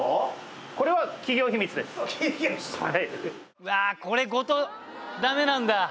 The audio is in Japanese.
うわあこれごとダメなんだ。